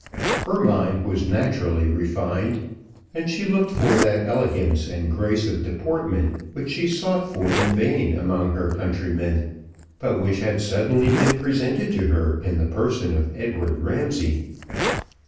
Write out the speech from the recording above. Her mind was naturally refined, and she looked for that elegance and grace of deportment which she sought for in vain among her countrymen, but which had suddenly been presented to her in the person of Edward Ramsay.